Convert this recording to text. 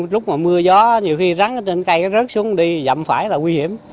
lúc mà mưa gió nhiều khi rắn cây rớt xuống đi rậm phải là nguy hiểm